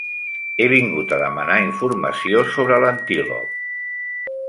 He vingut a demanar informació sobre l'antílop.